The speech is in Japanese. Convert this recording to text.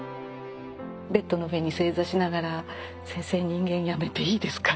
ベッドの上に正座しながら「先生人間やめていいですか？」